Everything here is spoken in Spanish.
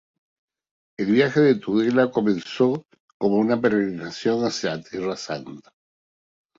El viaje de Tudela comenzó como una peregrinación a Tierra Santa.